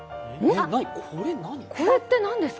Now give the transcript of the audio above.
これってなんですか？